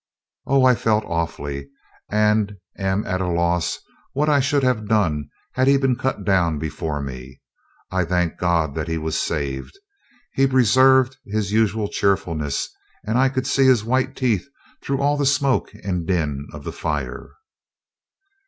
Oh! I felt awfully, and am at a loss what I should have done had he been cut down before me. I thank God that he was saved. He preserved his usual cheerfulness, and I could see his white teeth through all the smoke and din of the fire."